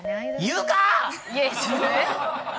言うかぁ！！